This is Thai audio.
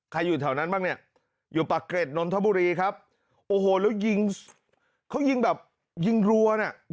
อยู่แถวนั้นบ้างเนี่ยอยู่ปากเกร็ดนนทบุรีครับโอ้โหแล้วยิงเขายิงแบบยิงรัวน่ะ